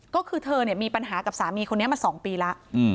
ก็คือเธอมีปัญหากับสามีคนนี้มา๒ปีแล้ว